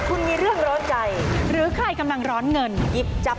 เก็บรับจำนำ